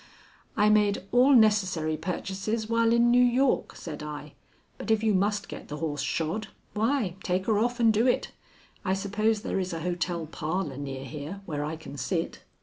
"I made all necessary purchases while in New York," said I, "but if you must get the horse shod, why, take her off and do it. I suppose there is a hotel parlor near here where I can sit."